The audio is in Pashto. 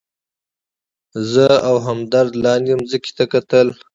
زه او همدرد لاندې مځکې ته کتل.